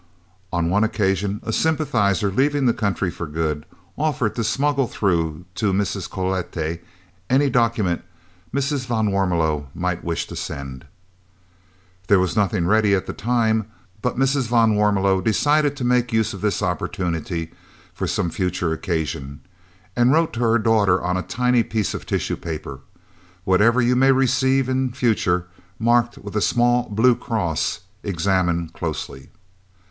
On one occasion a sympathiser, leaving the country for good, offered to smuggle through to Mrs. Cloete any document Mrs. van Warmelo might wish to send. There was nothing ready at the time, but Mrs. van Warmelo decided to make use of this opportunity for some future occasion, and wrote to her daughter on a tiny piece of tissue paper, "Whatever you may receive in future, marked with a small blue cross, examine closely."